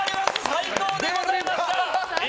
最高でございました！